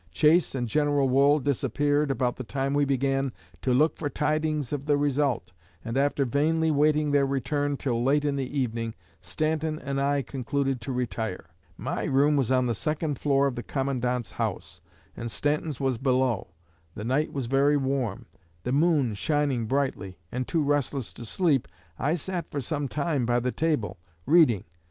Chase and General Wool disappeared about the time we began to look for tidings of the result, and after vainly waiting their return till late in the evening, Stanton and I concluded to retire. My room was on the second floor of the Commandant's house, and Stanton's was below. The night was very warm, the moon shining brightly, and, too restless to sleep, I sat for some time by the table, reading.